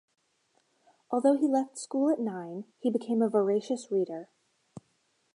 Although he left school at nine, he became a voracious reader.